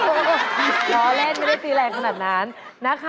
ร้อนเล่นไม่ได้ทีแรงขนาดนั้น